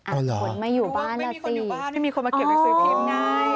อ้าวเหรอดูว่าไม่มีคนอยู่บ้านไม่มีคนมาเก็บหนังสือพิมพ์ไงอ๋อ